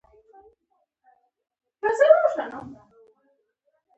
د کمپیوټرونو مخې ته هم خلک کتار و.